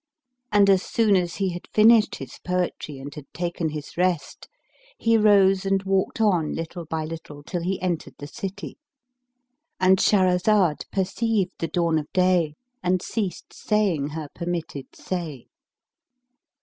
"[FN#310] And as soon as he had finished his poetry and had taken his rest, he rose and walked on little by little, till he entered the city.—And Shahrazad perceived the dawn of day and ceased saying her permitted say.